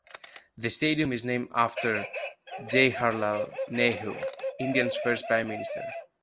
The stadium is named after Jawaharlal Nehru, India's first Prime Minister.